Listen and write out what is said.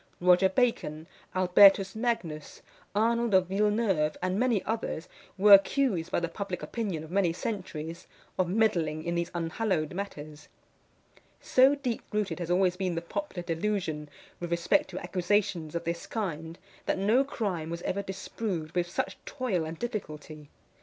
Roger Bacon, Albertus Magnus, Arnold of Villeneuve, and many others, were accused by the public opinion of many centuries, of meddling in these unhallowed matters. So deep rooted has always been the popular delusion with respect to accusations of this kind, that no crime was ever disproved with such toil and difficulty.